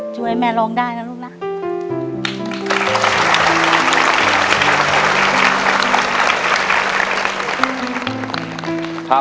ช่วยแม่ร้องได้นะลูกนะ